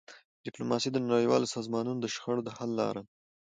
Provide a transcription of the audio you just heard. ډيپلوماسي د نړیوالو سازمانونو د شخړو د حل لاره ده.